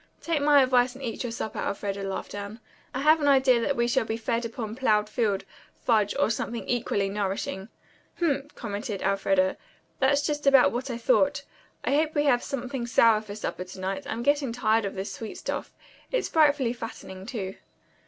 "Take my advice and eat your supper, Elfreda," laughed Anne. "I have an idea that we shall be fed on plowed field, fudge or something equally nourishing." "Humph!" commented Elfreda. "That's just about what I thought. I hope we have something sour for supper to night. I'm getting tired of sweet stuff. It's frightfully fattening, too."